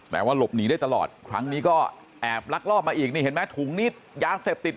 ว่าหลบหนีได้ตลอดครั้งนี้ก็แอบลักลอบมาอีกนี่เห็นไหมถุงนี้ยาเสพติด